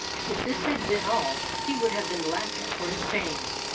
"If this had been all, he would have been laughed at for his pains.